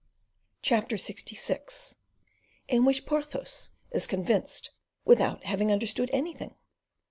Chapter LXVI. In Which Porthos Is Convinced without Having Understood Anything.